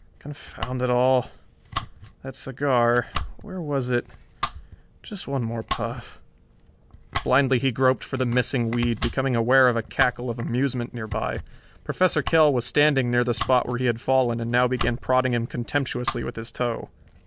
Confound it all ... that cigar ... where was it?... Just one more puff.... Blindly he groped for the missing weed, becoming aware of a cackle of amusement nearby. Professor Kell was standing near the spot where he had fallen and now began prodding him contemptuously with his toe.